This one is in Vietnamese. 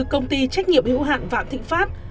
công ty trách nhiệm hưu hạn vạn thịnh pháp